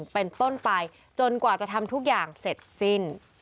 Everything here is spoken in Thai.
เป็นต้นไปจนกว่าจะทำทุกอย่างเสร็จสิ้น